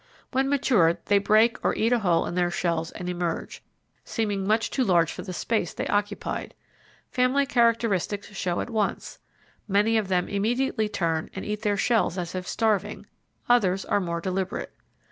When matured they break or eat a hole in their shells and emerge, seeming much too large for the space they occupied. Family characteristics show at once. Many of them immediately turn and eat their shells as if starving; others are more deliberate.